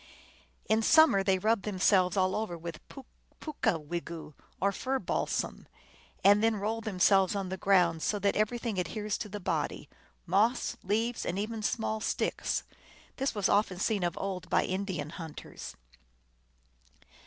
In summer time they rub themselves all over with poo pooka wigu, or fir balsam, and then roll themselves on the ground, so that everything adheres to the body, moss, leaves, and even small sticks. This was often seen of old by Indian hunters.